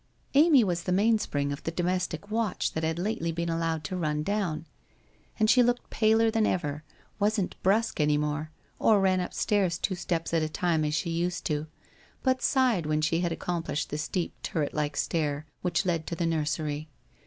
Amy was the mainspring of the domestic watch that had lately been allowed to run down. And she looked paler than ever, wasn't brusque any more, or ran upstairs two steps at a time as she used to do, but sighed when she had accomplished the steep turret like stair which led to the nursery.